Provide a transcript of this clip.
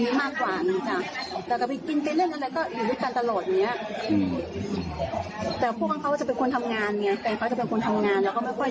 แต่พวกเขาก็จะเป็นคนทำงานแก่บ้าจะเป็นคนทำงาน